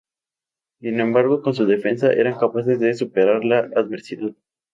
Sin embargo, con su defensa eran capaces de superar la adversidad.